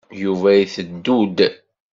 Yuba iteddu-d.